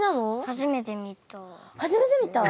初めて見た？